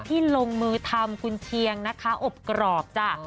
ลงมือทำคุณเชียงนะคะอบกรอบจ้ะ